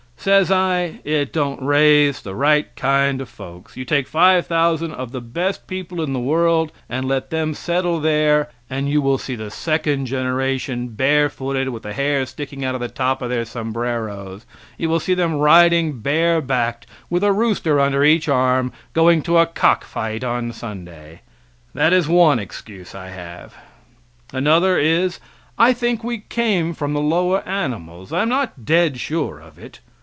Says I, "It don't raise the right kind of folks; you take five thousand of the best people in the world and let them settle there and you will see the second generation barefooted, with the hair sticking out of the top of their sombreros; you will see them riding barebacked, with a rooster under each arm, going to a cockfight on Sunday." That is one excuse I have. Another is, I think we came from the lower animals, I am not dead sure of it.